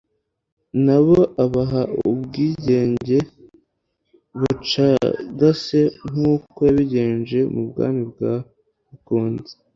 nabo abaha ubwigenge bucagase nk'uko yabigenje mu bwami bwa Bukunzi.